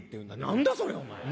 何だそれお前。